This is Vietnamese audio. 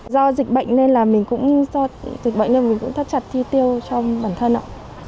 do dịch bệnh nên mình cũng thất chặt thi tiêu cho bản thân ạ